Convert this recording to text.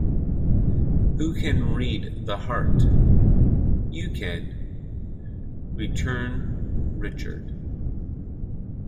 "Who can read the heart?" "You can," returned Richard.